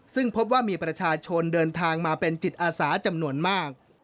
ซึ่งพบว่ามีประชาชนเดินทางมาเป็นจิตอาสาจำนวนมาก